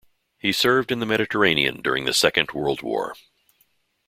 He served in the Mediterranean during the Second World War.